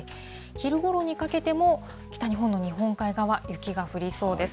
昼ごろにかけても、北日本の日本海側、雪が降りそうです。